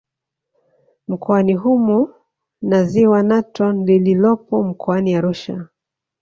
Mkoani humo na Ziwa Natron lililopo Mkoani Arusha